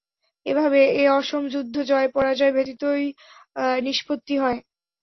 এভাবে এ অসম যুদ্ধ জয়-পরাজয় ব্যতীতই নিষ্পত্তি হয়।